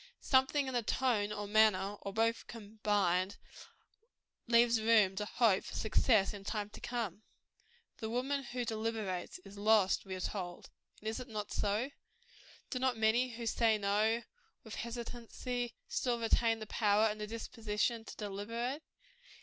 Something in the tone, or manner, or both combined, leaves room to hope for success in time to come. "The woman who deliberates, is lost," we are told: and is it not so? Do not many who say no with hesitancy, still retain the power and the disposition to deliberate?